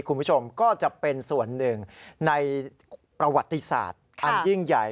คุณผู้ชมก็จะเป็นส่วนหนึ่งในประวัติศาสตร์อันยิ่งใหญ่